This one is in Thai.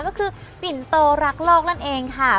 ก็คือปิ่นโตรักโลกนั่นเองค่ะ